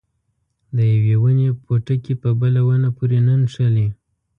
د یوې ونې پوټکي په بله ونه پورې نه نښلي.